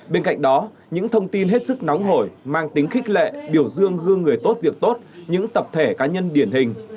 bên cạnh đó những thông tin hết sức nóng hổi mang tính khích lệ biểu dương hương người tốt việc tốt những tập thể cá nhân điển hình